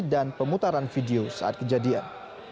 dan pemutaran video saat kejadian